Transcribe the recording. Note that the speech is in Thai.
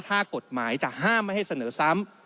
ถ้ากฎหมายจะห้ามไม่ให้เสนอซ้ำ